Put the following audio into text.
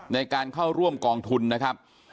ในการเข้าร่วมกองทุนนะครับ